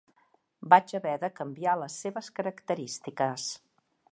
Vaig haver de canviar les seves característiques.